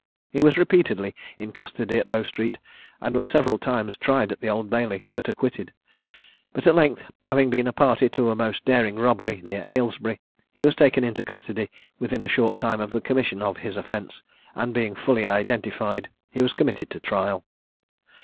He was repeatedly in custody at Bow street, and was several times tried at the Old Bailey, but acquitted: but at length having been a party to a most daring robbery near Aylesbury, he was taken into custody within a short time of the commission of his offence, and being fully identified, he was committed for trial.